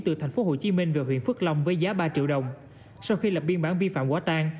từ tp hcm về huyện phước long với giá ba triệu đồng sau khi lập biên bản vi phạm quá tan